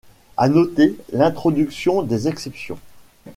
À noter, l'introduction des exceptions.